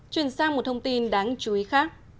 truyền sang một thông tin đáng chú ý khác